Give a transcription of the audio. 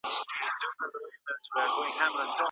د پسرلي یوه رنګینه ورځ ده